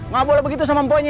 gak boleh begitu sama empoknya